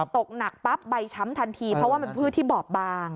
ตกหนักปั๊บใบช้ำทันทีเพราะว่ามันพืชที่บอบบาง